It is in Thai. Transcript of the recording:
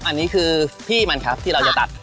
อันนี้คือที่มันครับที่เราจะตัด